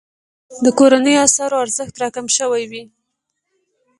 د کورنیو اسعارو ارزښت راکم شوی وي.